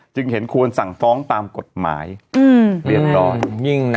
จึงเห็นควรสั่งฟ้องตามกฎหมายเรียบร้อยนะ